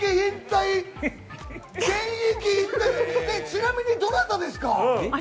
ちなみにどなたですか？